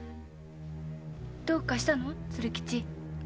どうかしたの鶴吉？